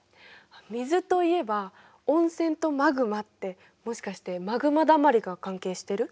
水といえば温泉とマグマってもしかしてマグマだまりが関係してる？